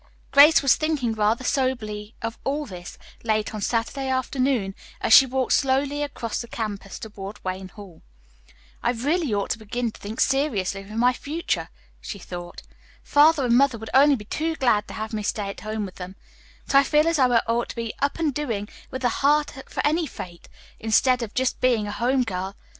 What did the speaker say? Grace was thinking rather soberly of all this, late on Saturday afternoon as she walked slowly across the campus toward Wayne Hall. "I really ought to begin to think seriously of my future work," she thought. "Father and Mother would only be too glad to have me stay at home with them, but I feel as though I ought to 'be up and doing with a heart for any fate' instead of just being a home girl.